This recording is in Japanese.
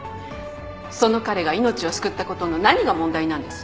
その彼が命を救ったことの何が問題なんです？